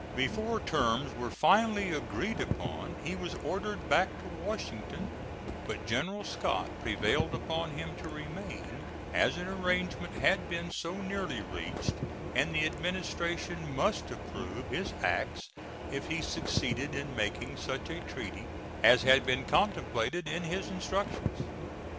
Before terms were finally agreed upon he was ordered back to Washington, but General Scott prevailed upon him to remain, as an arrangement had been so nearly reached, and the administration must approve his acts if he succeeded in making such a treaty as had been contemplated in his instructions.